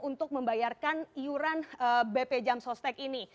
untuk membayarkan iuran bp jam sostek ini